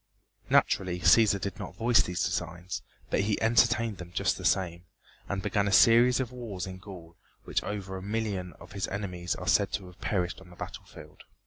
Naturally Cæsar did not voice these designs, but he entertained them just the same, and began a series of wars in Gaul in which over a million of his enemies are said to have perished on the battlefield.